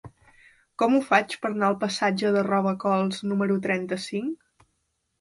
Com ho faig per anar al passatge de Robacols número trenta-cinc?